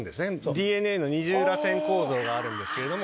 ＤＮＡの二重らせん構造があるんですけれども。